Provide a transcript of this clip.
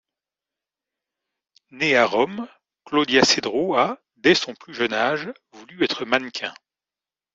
Née à Rome, Claudia Cedro a, dès son plus jeune âge, voulu être mannequin.